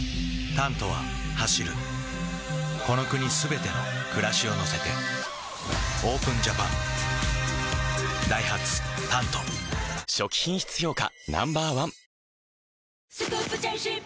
「タント」は走るこの国すべての暮らしを乗せてＯＰＥＮＪＡＰＡＮダイハツ「タント」初期品質評価